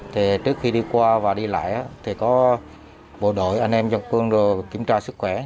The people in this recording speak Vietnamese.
thì trước khi đi qua và đi lại thì có bộ đội anh em dân quân kiểm tra sức khỏe